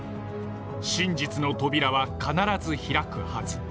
真実の扉は必ず開くはず。